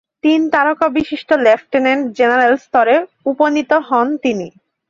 তিন তারকা বিশিষ্ট লেফটেন্যান্ট জেনারেল স্তরে উপনীত হন তিনি।